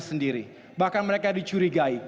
sendiri bahkan mereka dicurigai